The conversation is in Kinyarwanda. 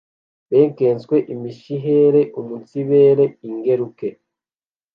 bekeswe imishehere umunsibere ingeruke